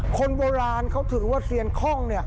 คนโบราณเขาถือว่าเซียนคล่อง